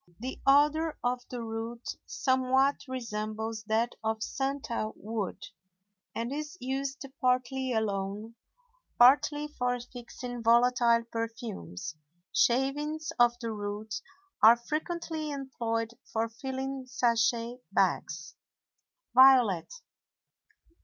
The odor of the root somewhat resembles that of santal wood, and is used partly alone, partly for fixing volatile perfumes. Shavings of the root are frequently employed for filling sachet bags. VIOLET.